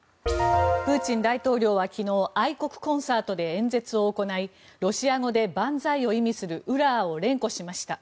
プーチン大統領は昨日愛国コンサートで演説を行いロシア語で万歳を意味するウラーを連呼しました。